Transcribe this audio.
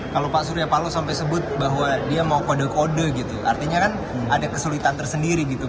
kalau pak surya paloh sampai sebut bahwa dia mau kode kode gitu artinya kan ada kesulitan tersendiri gitu